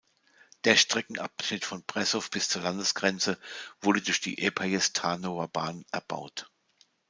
Der Streckenabschnitt von Prešov bis zur Landesgrenze wurde durch die Eperjes-Tarnówer Bahn erbaut.